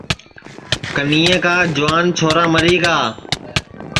کنیئے کا جُوان چھورا مری گا